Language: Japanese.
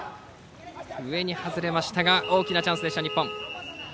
上に外れましたが大きなチャンスでした日本。